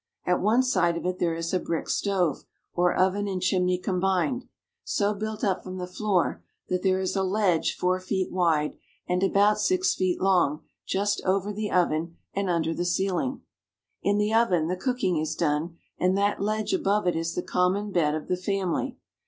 At one side of it there is a brick stove, or oven and chimney combined, so built up from the floor that there is a ledge four feet wide THE RUSSIAN PEASANTS. 325 and about six feet long just over the oven and under the ceiling. In the oven the cooking is done, and that ledge above it is the common bed of the family.